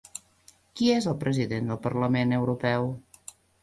Qui és el president del Parlament Europeu?